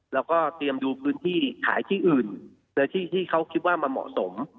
แล้วก็เตรียมดูพื้นที่ขายที่อื่นและที่เขาคิดว่ามันเหมาะสม